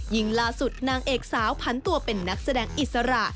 ล่าสุดนางเอกสาวผันตัวเป็นนักแสดงอิสระ